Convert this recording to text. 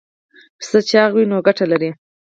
پسه چاغ وي نو ګټه لري.